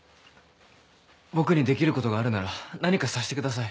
僕にできることがあるなら何かさせてください。